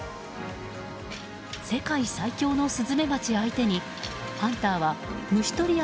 世界最凶のスズメバチ相手にハンターは虫とり網